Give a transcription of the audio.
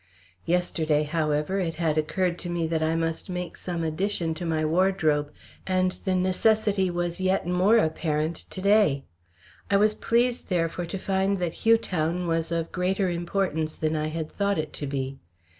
Yesterday, however, it had occurred to me that I must make some addition to my wardrobe and the necessity was yet more apparent to day. I was pleased, therefore, to find that Hugh Town was of greater importance than I had thought it to be.